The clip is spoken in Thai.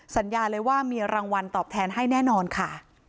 สัญญาเลยว่ามีรางวัลตอบแทนให้แน่นอนค่ะ